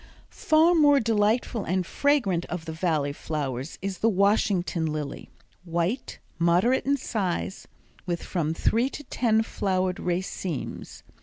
Far the most delightful and fragrant of the Valley flowers is the Washington lily, white, moderate in size, with from three to ten flowered racemes.